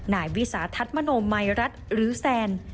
นายวิสาทัศน์มโนมัยรัฐหรือแซน